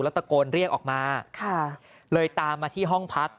ตะโกนเรียกออกมาเลยตามมาที่ห้องพัก